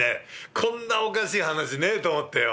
こんなおかしい話ねえと思ってよ。